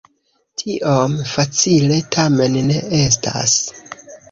Tiom facile tamen ne estas.